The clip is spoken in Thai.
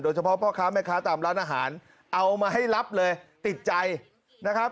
เฉพาะพ่อค้าแม่ค้าตามร้านอาหารเอามาให้รับเลยติดใจนะครับ